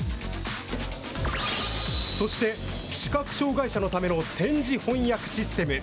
そして視覚障害者のための点字翻訳システム。